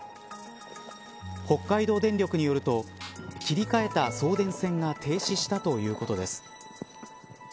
北海道電力によると切り替えた送電線が停止したということです。